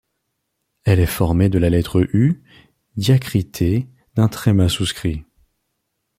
Elle est formée de la lettre U diacritée d’un tréma souscrit.